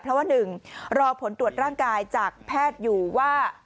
เพราะว่า๑รอผลตรวจร่างกายจากแพทย์อยู่ว่า